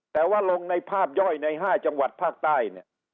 แต่ว่าลงในภาพย่อยใน๕จังหวัดภาคใต้เนี่ย